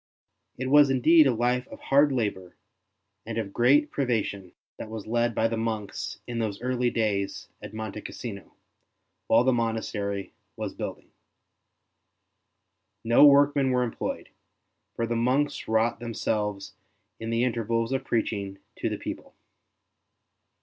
It was indeed a life of hard labour and of great privation that was led by the monks in those early days at Monte Cassino, while the monastery was building. No workmen were employed, for the monks wrought them selves in the intervals of preaching to the people.